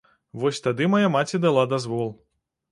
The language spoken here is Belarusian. Вось тады мая маці дала дазвол.